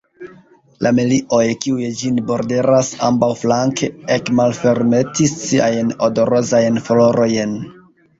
La melioj, kiuj ĝin borderas ambaŭflanke, ekmalfermetis siajn odorozajn florojn.